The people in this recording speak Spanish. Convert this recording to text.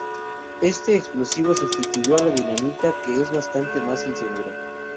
Este explosivo sustituyó a la dinamita, que es bastante más insegura.